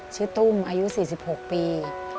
ชื่อตุ้มอายุ๔๖ปี